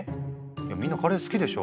いやみんなカレー好きでしょ？